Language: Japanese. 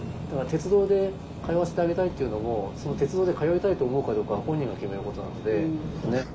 だから鉄道で通わせてあげたいっていうのも鉄道で通いたいと思うかどうかは本人が決めることなので。